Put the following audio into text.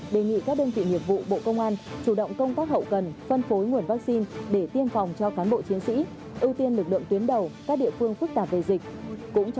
đề nghị các đơn vị nghiệp vụ bộ công an chủ động công tác hậu cần phân phối nguồn vaccine để tiên phòng cho cán bộ chiến sĩ ưu tiên lực tạp về dịch